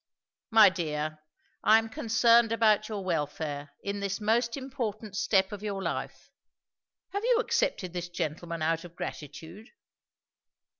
"My dear, I am concerned about your welfare, in this most important step of your life. Have you accepted this gentleman out of gratitude?"